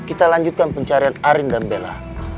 kita lanjutkan pencarian arin dan bella